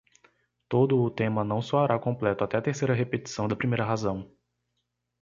Todo o tema não soará completo até a terceira repetição da primeira razão.